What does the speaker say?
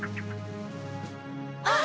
あっ！